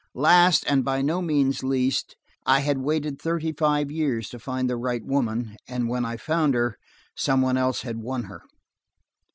Last, and by no means least, I had waited thirty five years to find the right woman, and when I found her, some one else had won her.